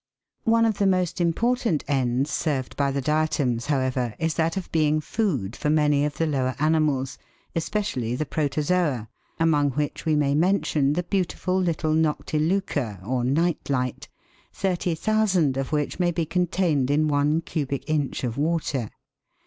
One of the most important ends served by the diatoms, however, is that of being food for many of the lower animals, especially the Protozoa, among which we may mention the beautiful little Noctiluca, or " night light," 30,000 of which may be contained in one cubic inch of water.